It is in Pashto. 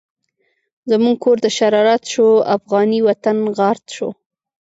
زمونږ کور دشرارت شو، افغانی وطن غارت شو